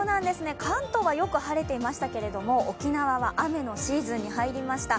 関東はよく晴れていましたけれども沖縄は雨のシーズンに入りました。